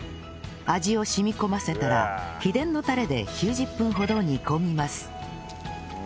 味を染み込ませたら秘伝のタレで９０分ほど煮込みます